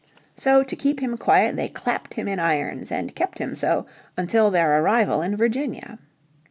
So to keep him quiet they clapped him in irons and kept him so until their arrival in Virginia.